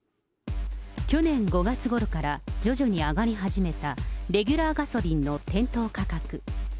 去年５月ごろから徐々に上がり始めたレギュラーガソリンの店頭価格。